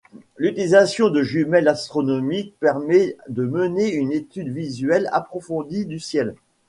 L'utilisation de jumelles astronomiques permet de mener une étude visuelle approfondie du ciel.